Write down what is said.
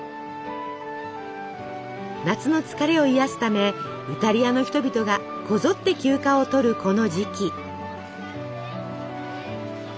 夏の疲れを癒やすためイタリアの人々がこぞって休暇をとるこの時期。